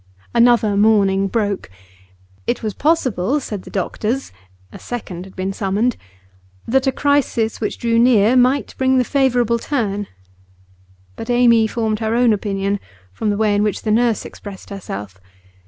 Another morning broke. It was possible, said the doctors (a second had been summoned), that a crisis which drew near might bring the favourable turn; but Amy formed her own opinion from the way in which the nurse expressed herself.